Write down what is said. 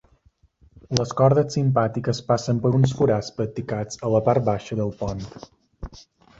Les cordes simpàtiques passen per uns forats practicats a la part baixa del pont.